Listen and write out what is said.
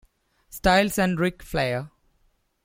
Styles and Ric Flair.